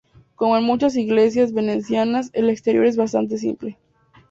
Como en muchas iglesias venecianas, el exterior es bastante simple.